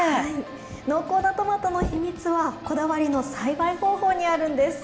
濃厚なトマトの秘密はこだわりの栽培方法にあるんです。